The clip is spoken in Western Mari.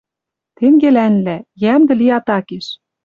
Тенгелӓнлӓ, йӓмдӹ ли атакеш